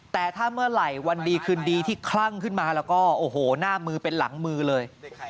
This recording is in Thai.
แต่ถ้าเมื่อไหร่วันดีคืนดีที่คลั่งขึ้นมาแล้วก็โอ้โหหน้ามือเป็นหลังมือเลย